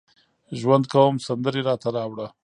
ژوند کوم سندرې راته راوړه